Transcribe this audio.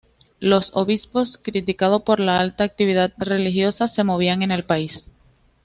Los obispos criticado por 'alta actividad religiosa' se movían en el país.